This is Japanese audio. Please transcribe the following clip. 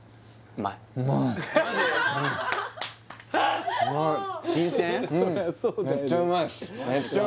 うまいか